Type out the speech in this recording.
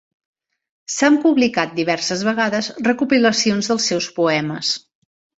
S'han publicat diverses vegades recopilacions del seus poemes.